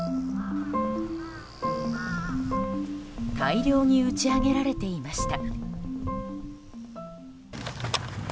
大量に打ち揚げられていました。